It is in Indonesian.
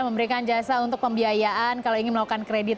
memberikan jasa untuk pembiayaan kalau ingin melakukan kredit